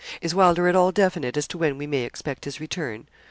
Is Wylder at all definite as to when we may expect his return?'